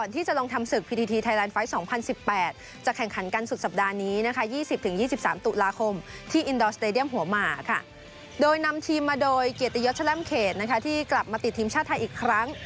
ที่อินโดร์สตาเดียมหัวหมาค่ะโดยนำทีมมาโดยเกียรติยศชะแร่มเขตที่กลับมาติดทีมชาติไทยอีกครั้ง